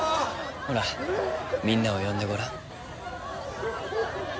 ほらみんなを呼んでごらん。